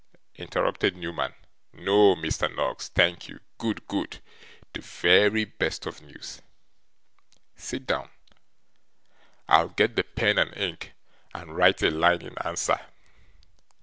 interrupted Newman. 'No, Mr. Noggs, thank you; good, good. The very best of news. Sit down. I'll get the pen and ink, and write a line in answer.